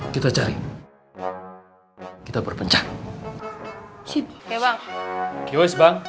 kita cari kita perpencang